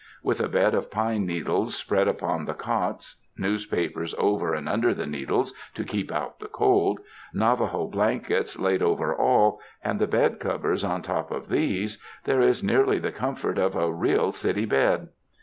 With a bed of pine needles spread upon the cots — newspapers over and under the needles to keep out the cold — Navajo blankets laid over all, and the bed covers on top of these, there is nearly the comfort of a "real city bed."